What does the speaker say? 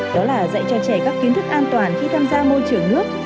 đó là dạy cho trẻ các kiến thức an toàn khi tham gia môi trường nước